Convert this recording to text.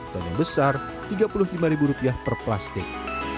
dan yang besar tiga puluh lima ribu rupiah per plastik